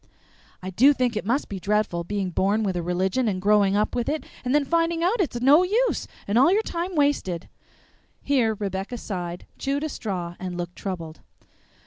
"I do think it must be dreadful, being born with a religion and growing up with it, and then finding out it's no use and all your time wasted!" Here Rebecca sighed, chewed a straw, and looked troubled.